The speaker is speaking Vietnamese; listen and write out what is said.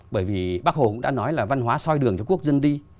bởi vì bác hồ cũng đã nói là văn hóa soi đường cho quốc dân đi